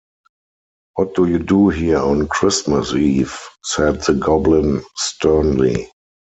“What do you do here on Christmas Eve?” said the goblin sternly.